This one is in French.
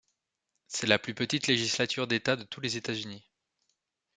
C'est la plus petite législature d'État de tous les États-Unis.